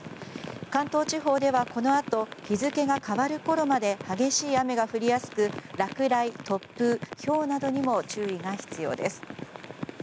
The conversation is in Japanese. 関東地方ではこのあと日付が変わるころまで激しい雨が降りやすく落雷、突風ひょうなどにも注意が必要です。